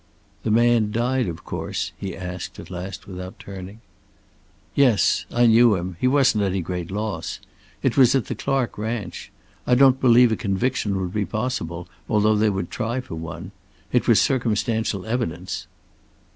"The man died, of course?" he asked at last, without turning. "Yes. I knew him. He wasn't any great loss. It was at the Clark ranch. I don't believe a conviction would be possible, although they would try for one. It was circumstantial evidence."